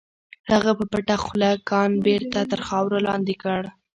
هغه په پټه خوله کان بېرته تر خاورو لاندې کړ.